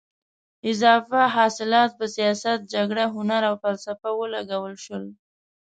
اضافه حاصلات په سیاست، جګړه، هنر او فلسفه ولګول شول.